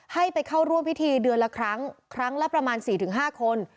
ให้ไปเข้าร่วมพิธีเดือนละครั้งครั้งละประมาณ๔๕คน